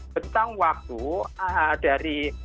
bentang waktu dari